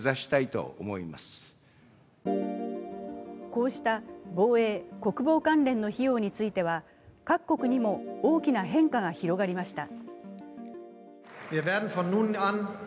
こうした防衛・国防関連の費用については、各国にも大きな変化が広がりました。